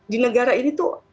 di negara ini tuh